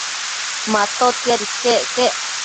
Matotiad iquec quec